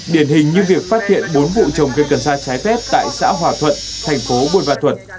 điển hình như việc phát hiện bốn vụ trồng cây cần xa trái phép tại xã hòa thuận thành phố bồn văn thuận